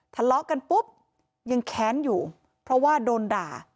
ทะเลาะกันปุ๊บยังแค้นอยู่เพราะว่าโดนด่า